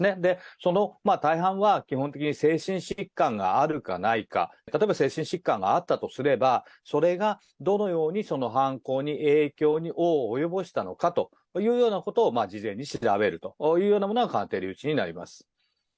その大半は、基本的に精神疾患があるかないか、例えば精神疾患があったとすれば、それがどのようにその犯行に影響を及ぼしたのかというようなことを事前に調べるというようなものが鑑定留置になります。